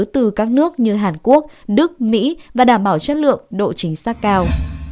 từ các nước như hàn quốc đức mỹ và đảm bảo chất lượng độ chính xác cao